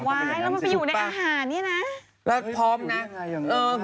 ว้ายแล้วมันไปอยู่ในอาหารนี่นะ